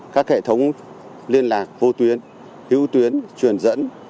các hệ thống liên lạc vô tuyến hữu tuyến truyền dẫn